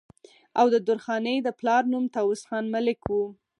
او د درخانۍ د پلار نوم طاوس خان ملک وو